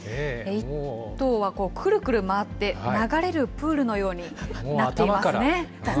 １頭はくるくる回って、流れるプールのようになっていますね。